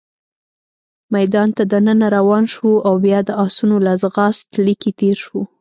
میدان ته دننه روان شوو، او بیا د اسونو له ځغاست لیکې تېر شوو.